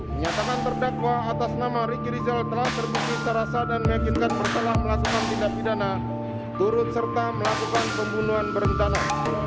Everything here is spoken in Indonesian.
menyatakan terdakwa atas nama ricky rizal telah terbukti secara sah dan meyakinkan bertelah melakukan tindak pidana turut serta melakukan pembunuhan berencana